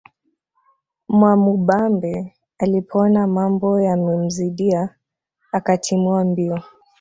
Mwamubambe alipoona mambo yamemzidia akatimua mbio